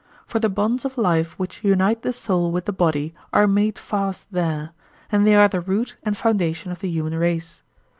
For the bonds of life which unite the soul with the body are made fast there, and they are the root and foundation of the human race.